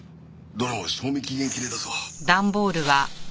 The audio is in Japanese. どれも賞味期限切れだぞ。